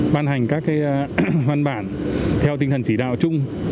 ban hành các văn bản theo tinh thần chỉ đạo chung